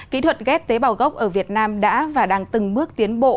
kỹ thuật ghép tế bào gốc ở việt nam đã và đang từng bước tiến bộ